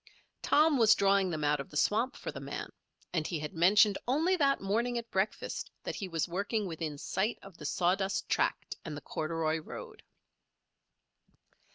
Tom was drawing them out of the swamp for the man; and he had mentioned only that morning at breakfast that he was working within sight of the sawdust tract and the corduroy road.